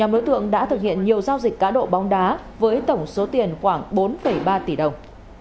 năm đối tượng đã thực hiện nhiều giao dịch cá độ bóng đá với tổng số tiền khoảng bốn ba tỷ đồng